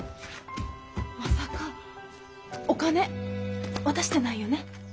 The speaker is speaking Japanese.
まさかお金渡してないよね？